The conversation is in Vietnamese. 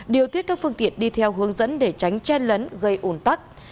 điều tiết các phương tiện đi theo hướng dẫn để tránh chen lấn gây ổn tắc